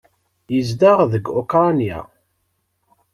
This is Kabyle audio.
Yezdeɣ deg Ukṛanya.